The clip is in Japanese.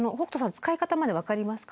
使い方まで分かりますか？